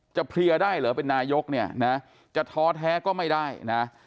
เพลียได้เหรอเป็นนายกเนี่ยนะจะท้อแท้ก็ไม่ได้นะ